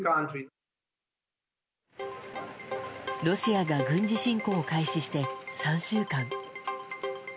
ロシアが軍事侵攻を開始して３週間。